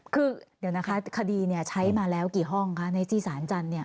คือเดี๋ยวนะคะคดีเนี่ยใช้มาแล้วกี่ห้องคะในจีสารจันทร์เนี่ย